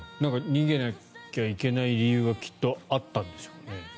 逃げなきゃいけない理由がきっとあったんでしょうね。